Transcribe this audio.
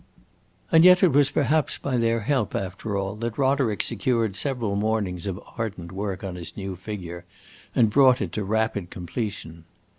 And yet it was perhaps by their help, after all, that Roderick secured several mornings of ardent work on his new figure, and brought it to rapid completion.